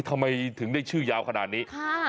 ทำไมถึงได้ชื่อยาวขนาดนี้